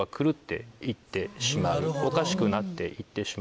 おかしくなっていってしまう。